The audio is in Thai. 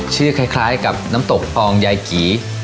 ชื่อคล้ายกับน้ำตกคลองยายกี